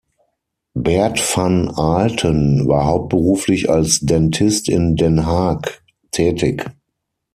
Bert van Aalten war hauptberuflich als Dentist in Den Haag tätig.